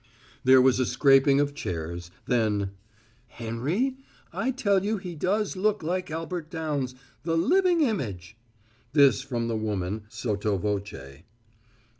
There was a scraping of chairs, then: "Henry, I tell you he does look like Albert Downs the living image!" This from the woman, sotto voce.